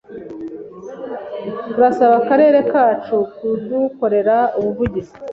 turasaba akarere kacu kudukorera ubuvugizi